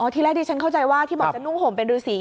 อ๋อที่แรกที่ฉันเข้าใจว่าที่บอกจะนุ่งห่มเป็นรือสี